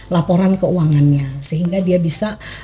laporan keuangannya sehingga dia bisa